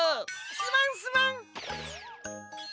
すまんすまん。